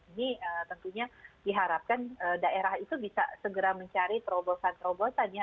ini tentunya diharapkan daerah itu bisa segera mencari terobosan terobosan ya